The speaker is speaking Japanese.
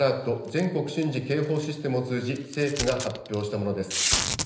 ・全国瞬時警報システムを通じ、政府が発表したものです。